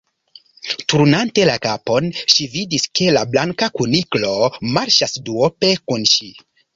Turnante la kapon, ŝi vidis ke la Blanka Kuniklo marŝas duope kun ŝi.